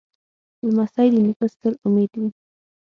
لمسی د نیکه ستر امید وي.